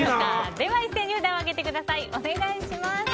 では一斉に札を上げてください。